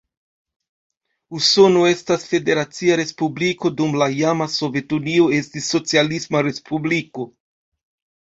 Usono estas federacia respubliko, dum la iama Sovetunio estis socialisma respubliko.